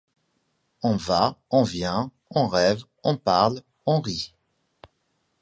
On va, on vient, on rêve, on parle, on rit.